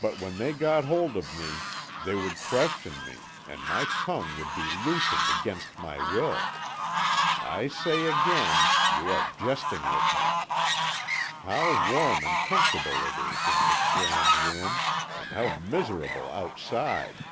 But when they got hold of me they would question me, and my tongue would be loosened against my will. I say again, you are jesting with me. How warm and comfortable it is in this grand room, and how miserable outside!